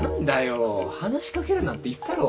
話し掛けるなって言ったろ。